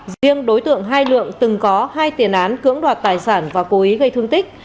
riêng đối tượng hai lượng từng có hai tiền án cưỡng đoạt tài sản và cố ý gây thương tích